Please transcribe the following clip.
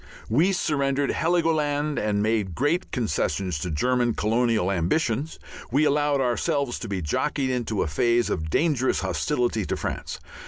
We surrendered Heligoland, we made great concessions to German colonial ambitions, we allowed ourselves to be jockeyed into a phase of dangerous hostility to France.